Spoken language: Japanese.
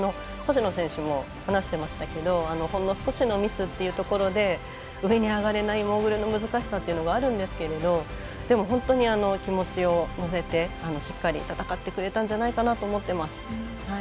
星野選手も話していましたけどほんの少しのミスというところで上に上がれないモーグルの難しさがあるんですけどでも本当に気持ちを乗せてしっかり戦ってくれたんじゃないかなと思っています。